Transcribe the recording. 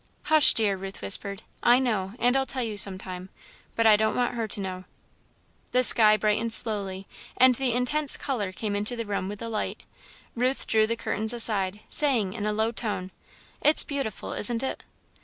"Hush, dear," Ruth whispered, "I know, and I'll tell you some time, but I don't want her to know." The sky brightened slowly, and the intense colour came into the room with the light. Ruth drew the curtains aside, saying, in a low tone, "it's beautiful, isn't it?"